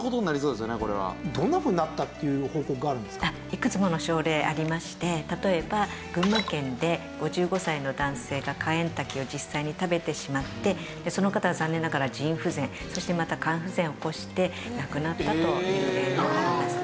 いくつもの症例ありまして例えば群馬県で５５歳の男性がカエンタケを実際に食べてしまってその方は残念ながら腎不全そしてまた肝不全を起こして亡くなったという例があります。